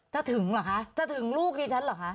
จะถึงหรอคะจะถึงลูกที่ฉันหรอคะ